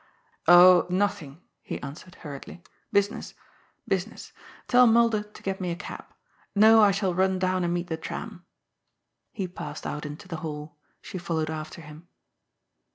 " Oh, nothing," he answered hurriedly. " Business. Business. Tell Mulder to get me a cab. No, I shall run down and meet the tram." He passed out into the hall. She followed after him.